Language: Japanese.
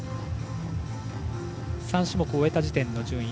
３種目終えた時点での順位。